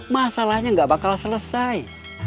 masalahnya nggak bakal selesai